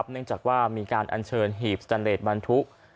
เนื่องจากว่ามีการอัญเชิญหีบสแตนเลสบรรทุก